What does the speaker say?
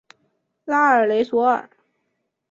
拉尔雷索尔。